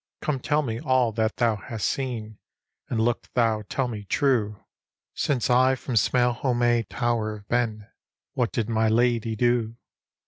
" Come tell me all that thou hast seen, And look thou tell me true! Since I from Smaylho'me tower have been, What did my ladye do?"